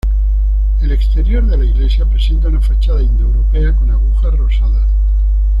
El exterior de la iglesia presenta una fachada indoeuropea con agujas rosadas.